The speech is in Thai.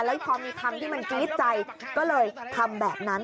แล้วพอมีคำที่มันกรี๊ดใจก็เลยทำแบบนั้น